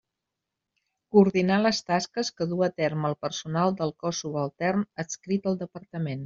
Coordinar les tasques que duu a terme el personal del cos subaltern adscrit al Departament.